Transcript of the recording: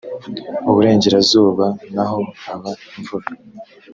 iburengerazuba naho haba imvura.